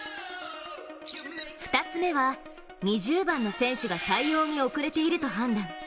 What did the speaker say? ２つ目は２０番の選手が対応に遅れていると判断。